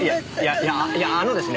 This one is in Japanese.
いやいやあのですね。